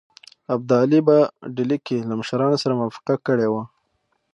ابدالي په ډهلي کې له مشرانو سره موافقه کړې وه.